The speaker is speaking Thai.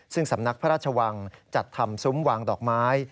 ซึ่งสำนักพระราชวังจัดทำซุ้มวางดอกไม้